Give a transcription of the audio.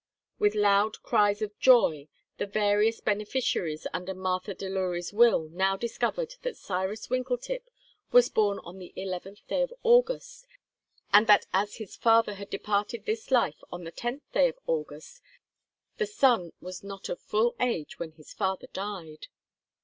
With loud cries of joy, the various beneficiaries under Martha Delury's will now discovered that Cyrus Winkletip was born on the 11th day of August, and that as his father had departed this life on the 10th day of August, the son was not of full age when his father died.